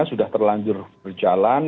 sudah terlanjur berjalan